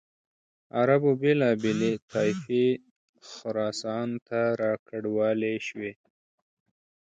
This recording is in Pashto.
عربو بېلابېلې طایفې خراسان ته را کډوالې شوې.